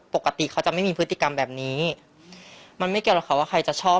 ปกติเขาจะไม่มีพฤติกรรมแบบนี้มันไม่เกี่ยวหรอกค่ะว่าใครจะชอบ